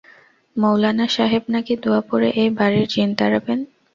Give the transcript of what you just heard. মৌলানা সাহেব নাকি দোয়া পড়ে এই বাড়ির জিন তাড়াবেন!